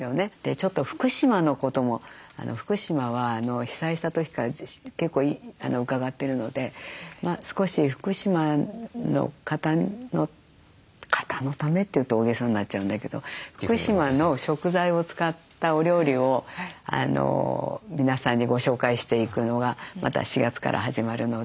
ちょっと福島のことも福島は被災した時から結構伺ってるので少し福島の方の方のためって言うと大げさになっちゃうんだけど福島の食材を使ったお料理を皆さんにご紹介していくのがまた４月から始まるので。